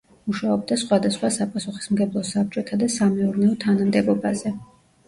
მუშაობდა სხვადასხვა საპასუხისმგებლო საბჭოთა და სამეურნეო თანამდებობაზე.